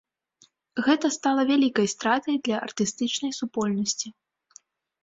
Гэта стала вялікай стратай для артыстычнай супольнасці.